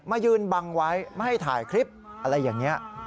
มายืนบังไว้ไม่ให้ถ่ายคลิปอะไรอย่างนี้